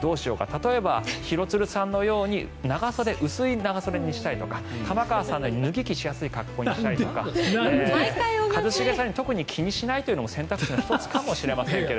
例えば、廣津留さんのように薄い長袖にしたりとか玉川さんのように脱ぎ着しやすい格好にしたりとか一茂さんのように特に気にしないのも１つ、選択肢かもしれませんが。